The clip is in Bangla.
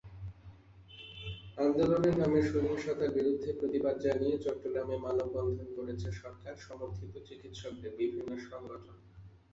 আন্দোলনের নামে সহিংসতার বিরুদ্ধে প্রতিবাদ জানিয়ে চট্টগ্রামে মানববন্ধন করেছে সরকার-সমর্থিত চিকিৎসকদের বিভিন্ন সংগঠন।